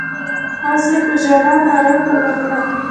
ښځې په ژړا ناره پر وکړه.